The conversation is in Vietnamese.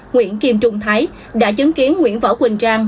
nguyễn kim trung thái đã chứng kiến nguyễn võ quỳnh trang